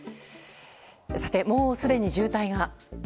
さて、もうすでに渋滞が。